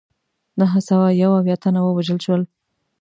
نهه سوه یو اویا تنه ووژل شول.